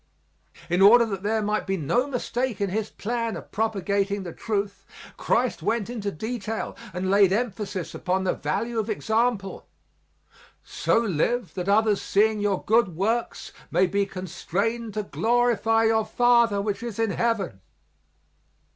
In order that there might be no mistake in His plan of propagating the truth, Christ went into detail and laid emphasis upon the value of example "So live that others seeing your good works may be constrained to glorify your Father which is in Heaven."